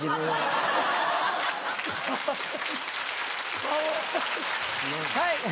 はい。